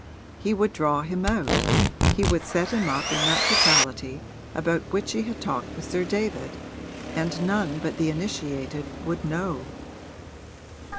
He would draw him out, he would set him up in that totality about which he had talked with Sir David, and none but the initiated would know.